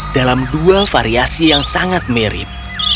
dalam dua variasi yang sangat mirip